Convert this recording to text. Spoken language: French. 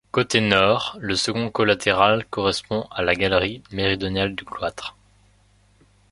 Côté Nord, le second collatéral correspond à la galerie méridionale du cloître.